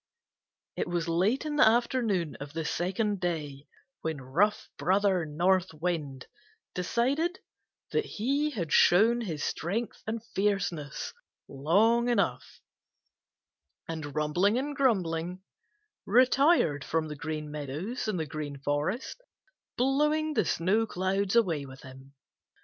It was late in the afternoon of the second day when rough Brother North Wind decided that he had shown his strength and fierceness long enough, and rumbling and grumbling retired from the Green Meadows and the Green Forest, blowing the snow clouds away with him.